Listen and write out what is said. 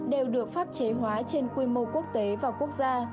đều được pháp chế hóa trên quy mô quốc tế và quốc gia